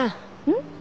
うん？